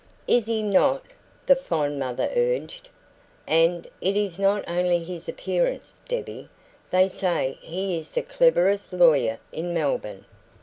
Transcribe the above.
"Is he not?" the fond mother urged. "And it is not only his appearance, Debbie they say he is the cleverest lawyer in Melbourne.